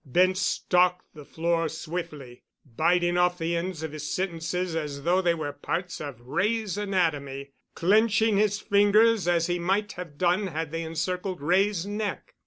Bent stalked the floor swiftly, biting off the ends of his sentences as though they were parts of Wray's anatomy, clenching his fingers as he might have done had they encircled Wray's neck.